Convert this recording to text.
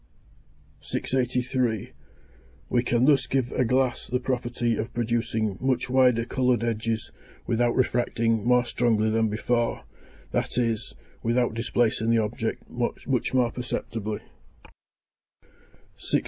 683. We can thus give a glass the property of producing much wider coloured edges without refracting more strongly than before, that is, without displacing the object much more perceptibly. 684.